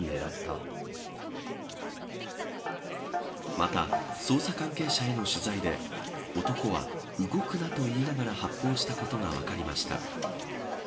また捜査関係者への取材で男は、動くなと言いながら発砲したことが分かりました。